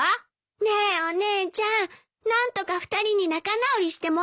ねえお姉ちゃん何とか２人に仲直りしてもらえないかな。